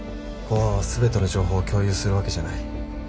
公安はすべての情報を共有するわけじゃない。